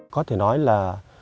có thể nói là